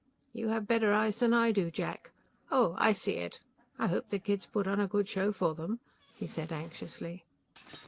"You have better eyes than I do, Jack. Oh, I see it. I hope the kids put on a good show for them," he said anxiously.